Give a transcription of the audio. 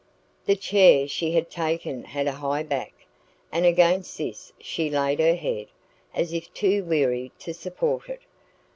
The chair she had taken had a high back, and against this she laid her head, as if too weary to support it.